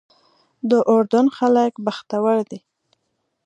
د اردن خلک بختور دي.